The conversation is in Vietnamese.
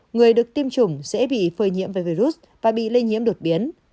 người được tiêm chủng dễ bị phơi nhiễm về virus và bị lây nhiễm đột biến